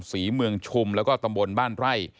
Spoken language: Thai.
ศรีเมืองชุมแล้วก็ตำบลบ้านไร่